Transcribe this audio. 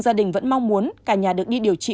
gia đình vẫn mong muốn cả nhà được đi điều trị